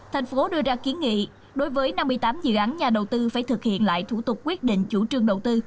thành phố đưa ra kiến nghị đối với năm mươi tám dự án nhà đầu tư phải thực hiện lại thủ tục quyết định chủ trương đầu tư